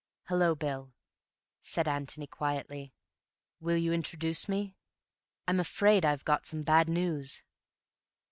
"Hallo, Bill," said Antony quietly. "Will you introduce me? I'm afraid I've got some bad news."